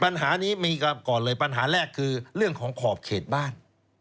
ปัญหานี้มีก่อนเลยปัญหาแรกคือเรื่องของขอบเขตบ้าน